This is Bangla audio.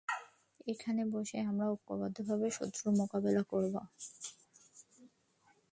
এখানে বসেই আমরা ঐক্যবদ্ধভাবে শত্রুর মোকাবিলা করব।